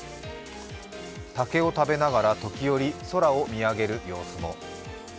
竹を食べながら時折空を見上げる様子も。